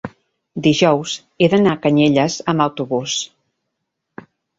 dijous he d'anar a Canyelles amb autobús.